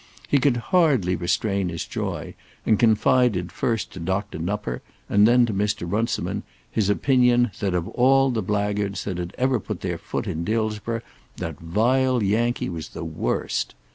He could hardly restrain his joy, and confided first to Dr. Nupper and then to Mr. Runciman his opinion, that of all the blackguards that had ever put their foot in Dillsborough, that vile Yankee was the worst.